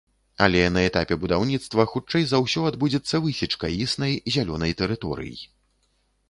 Але на этапе будаўніцтва хутчэй за ўсё адбудзецца высечка існай зялёнай тэрыторый.